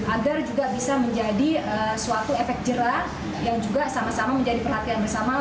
agar juga bisa menjadi suatu efek jerah yang juga sama sama menjadi perhatian bersama